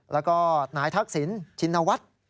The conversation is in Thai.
แล้วก็นายทักษิณชินวัฒน์